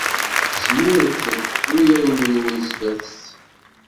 Smiret-d ulawen-nwen sdat-s!